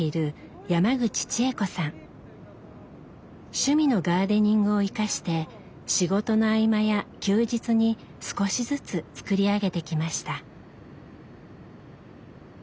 趣味のガーデニングを生かして仕事の合間や休日に少しずつ作り上げてきました。